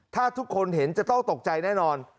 ถ้าทุกคนเห็นจะต้องตกใจแน่นอน